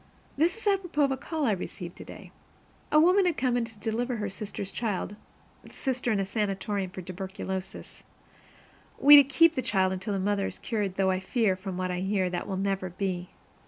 This is apropos of a call I received today. A woman had come to deliver her sister's child sister in a sanatorium for tuberculosis; we to keep the child until the mother is cured, though I fear, from what I hear, that will never be.